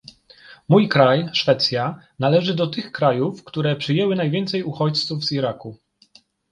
Mój kraj, Szwecja, należy do tych krajów, które przyjęły najwięcej uchodźców z Iraku